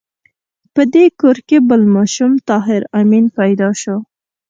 په دې کور کې بل ماشوم طاهر آمین پیدا شو